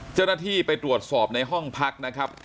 เจ้าหน้าที่ไปตรวจสอบในห้องพักนะครับ